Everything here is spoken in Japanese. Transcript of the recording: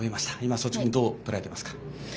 率直にどうとらえていますか？